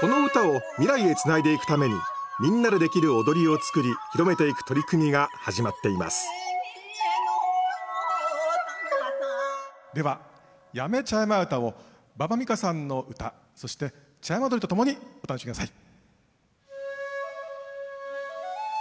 この唄を未来へつないでいくためにみんなでできる踊りを作り広めていく取り組みが始まっていますでは「八女茶山唄」を馬場美雅さんの唄そして茶山おどりとともにお楽しみ下さい。